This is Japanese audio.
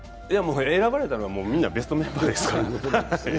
選ばれたらみんなベストメンバーですからね。